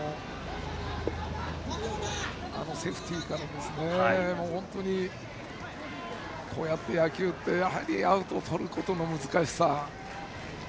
あのセーフティーから本当にこうやって野球ってやはりアウトをとることの難しさ。